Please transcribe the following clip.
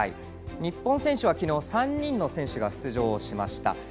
日本選手は昨日３人の選手が出場しました。